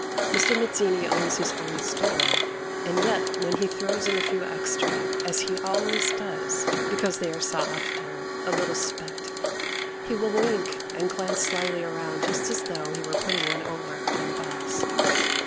Mr. Mazzini owns his own store, and yet when he throws in a few extra, as he always does, because they are soft or a little specked, he will wink and glance slyly around just as though he were putting one over on the boss.